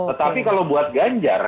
tetapi kalau buat ganjar